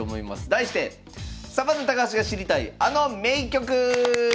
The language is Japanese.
題して「サバンナ高橋が知りたい！あの名局」！